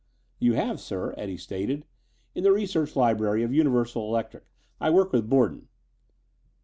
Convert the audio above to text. "You have, sir," Eddie stated. "In the research laboratory of Universal Electric. I work with Borden."